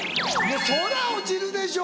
そら落ちるでしょ。